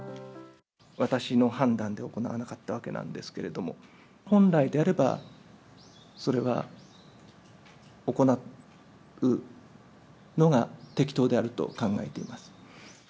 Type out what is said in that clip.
私の判断で行わなかったわけなんですけれども、本来であれば、それは行うのが適当であると考えています。